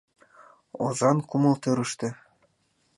Озан кумыл тӧрыштӧ